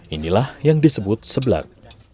inilah yang disebut sebelak